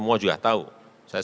itu kita sudah pasang administrator